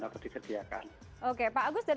sosialisasi penggunaan dan perusahaan